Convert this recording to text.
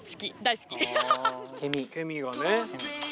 ケミがね。